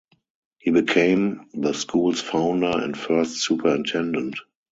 He became the school's founder and first superintendent.